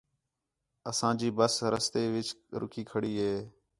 اساں جی بس رستے وِچ رُکی کھڑی ہے